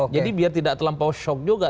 jadi biar tidak terlampau shock juga